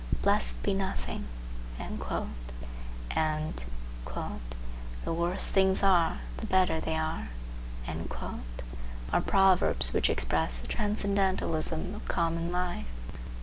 "Blessed be nothing" and "The worse things are, the better they are" are proverbs which express the transcendentalism of common life.